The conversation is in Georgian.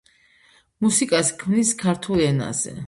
მუსიკას ქმნის ქართულ ენაზე.